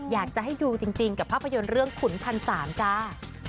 อยากจะให้ดูจริงกับภาพยนตร์เรื่องขุนพันสามจ้า